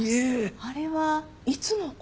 あれはいつの事？